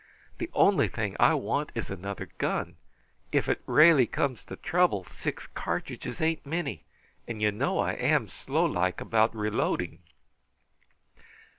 The only thing I want is another gun. If it railly comes to trouble, six cartridges ain't many, and you know I am slow like about reloading."